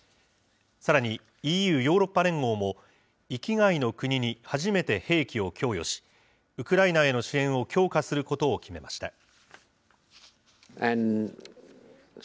さらにＥＵ・ヨーロッパ連合も、域外の国に初めて兵器を供与し、ウクライナへの支援を強化することを決めました。